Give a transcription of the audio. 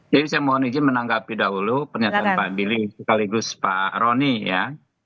jadi saya mohon izin menanggapi dahulu pernyataan pak bili sekaligus pak roni ya